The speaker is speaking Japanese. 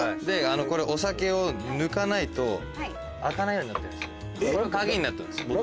これお酒を抜かないと開かないようになってるんです。